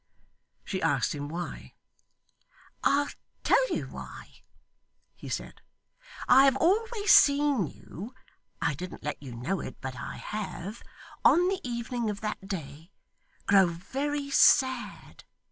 She asked him why? 'I'll tell you why,' he said. 'I have always seen you I didn't let you know it, but I have on the evening of that day grow very sad.